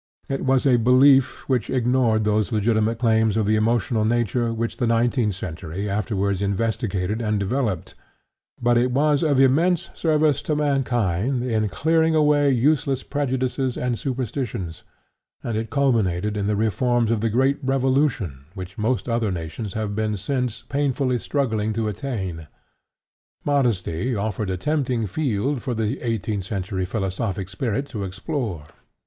It was a belief which ignored those legitimate claims of the emotional nature which the nineteenth century afterwards investigated and developed, but it was of immense service to mankind in clearing away useless prejudices and superstitions, and it culminated in the reforms of the great Revolution which most other nations have since been painfully struggling to attain. Modesty offered a tempting field for the eighteenth century philosophic spirit to explore.